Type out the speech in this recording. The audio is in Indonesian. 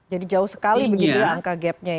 jadi jauh sekali begitu angka gapnya ya